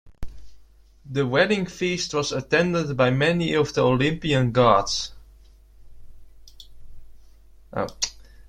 Their wedding feast was attended by many of the Olympian gods.